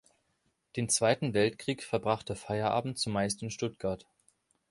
Den Zweiten Weltkrieg verbrachte Feyerabend zumeist in Stuttgart.